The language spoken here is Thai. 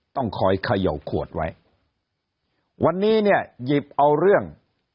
ต้องคอยเขย่าขวดไว้วันนี้เนี่ยหยิบเอาเรื่อง